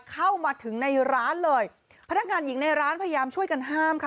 เข้ามาถึงในร้านเลยพนักงานหญิงในร้านพยายามช่วยกันห้ามค่ะ